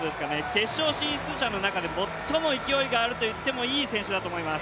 決勝進出の中で最も勢いがあるといっていいと思います。